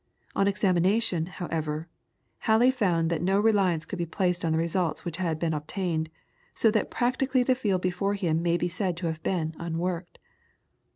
On examination, however, Halley found that no reliance could be placed on the results which had been obtained, so that practically the field before him may be said to have been unworked.